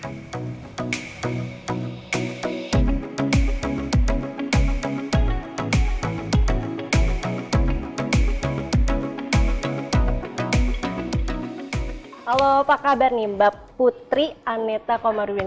halo apa kabar nih mbak putri aneta komarudin